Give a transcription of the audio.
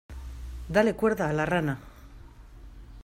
Dale cuerda a la rana.